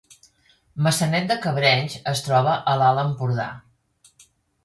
Maçanet de Cabrenys es troba a l’Alt Empordà